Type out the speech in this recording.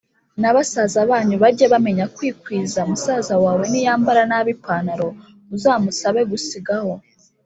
na basaza banyu bage bamenya kwikwiza musaza wawe niyambara nabi ipantaro, uzamusabe gusigaho!